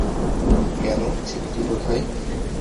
কেনো, ছেলেটি কোথায়?